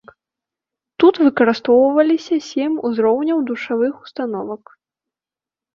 Тут выкарыстоўваліся сем узроўняў душавых установак.